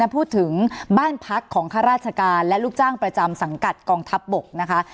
พูดถึงบ้านพักของข้าราชการและลูกจ้างประจำสังกัดกองทัพบกนะคะ